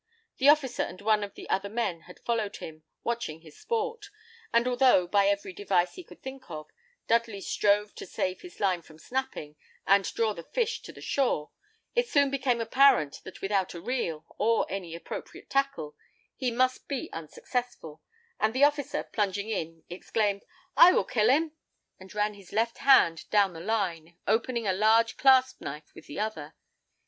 The officer and one of the other men had followed him, watching his sport; and although, by every device he could think of, Dudley strove to save his line from snapping, and draw the fish to the shore, it soon became apparent that without a reel, or any appropriate tackle, he must be unsuccessful; and the officer, plunging in, exclaimed, "I will kill him!" and ran his left hand down the line, opening a large clasp knife with the other.